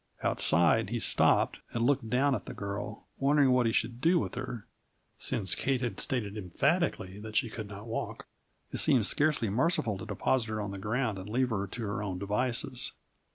Outside he stopped, and looked down at the girl, wondering what he should do with her. Since Kate had stated emphatically that she could not walk, it seemed scarcely merciful to deposit her on the ground and leave her to her own devices.